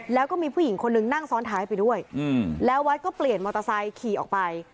แล้วก็มีผู้หญิงคนนึงนั่งซ้อนท้ายไปด้วยแล้ววัดก็เปลี่ยนมอเตอร์ไซค์ขี่ออกไป